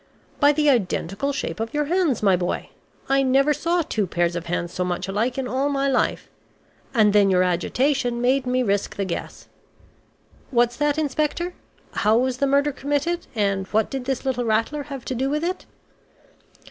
"By the identical shape of your hands, my boy. I never saw two pairs of hands so much alike in all my life. And then your agitation made me risk the guess.... What's that, Inspector? How was the murder committed, and what did this little rattler have to do with it?